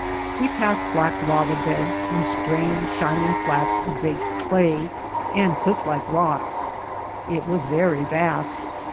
We passed black lava beds, and strange shining flats of baked clay, and clifflike rocks. It was very vast.